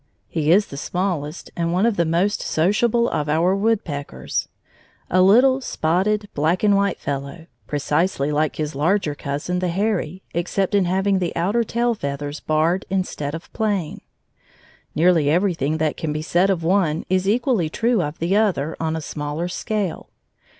He is the smallest and one of the most sociable of our woodpeckers, a little, spotted, black and white fellow, precisely like his larger cousin the hairy, except in having the outer tail feathers barred instead of plain. Nearly everything that can be said of one is equally true of the other on a smaller scale.